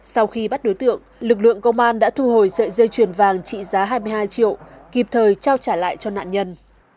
sau khi bắt đối tượng lực lượng công an đã thu hồi sợi dây chuyền vàng trị giá hai mươi hai triệu kịp thời trao trả lại cho nạn nhân